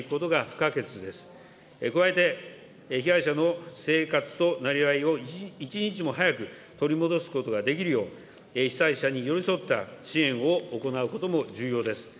加えて、被害者の生活となりわいを一日も早く取り戻すことができるよう、被災者に寄り添った支援を行うことも重要です。